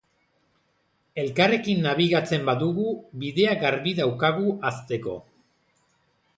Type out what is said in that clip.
Elkarrekin nabigatzen badugu bidea garbi daukagu hazteko.